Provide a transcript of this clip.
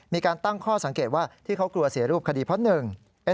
มีการตั้งข้อสังเกตว่าที่เขากลัวเสียรูปคดีเพราะหนึ่ง